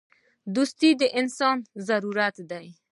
• دوستي د انسان ضرورت دی.